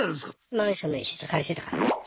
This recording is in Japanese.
マンションの一室借りてたからねそれ用に。